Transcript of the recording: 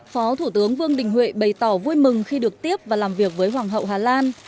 phó thủ tướng vương đình huệ bày tỏ vui mừng khi được tiếp và làm việc với hoàng hậu hà lan